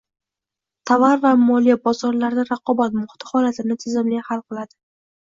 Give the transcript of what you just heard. tovar va moliya bozorlarida raqobat muhiti holatini tizimli tahlil qiladi